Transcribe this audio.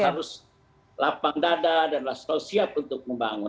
harus lapang dada dan selalu siap untuk membangun